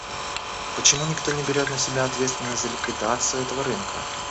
Почему никто не берет на себя ответственность за ликвидацию этого рынка?